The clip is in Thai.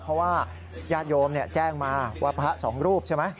เพราะว่าญาติโยมแจ้งมาว่าพระสองรูปใช่ไหม